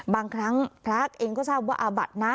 บางครั้งพระเองก็ทราบว่าอาบัตินะ